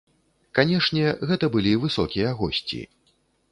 Канешне, гэта былі высокія госці.